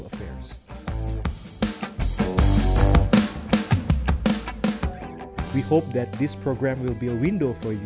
kami berharap program ini akan menjadi jemput untuk anda